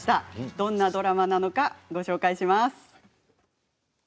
どんなドラマなのかご紹介します。